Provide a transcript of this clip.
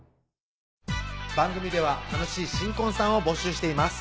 番組では楽しい新婚さんを募集しています